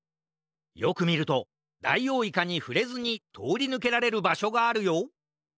よくみるとダイオウイカにふれずにとおりぬけられるばしょがあるよ！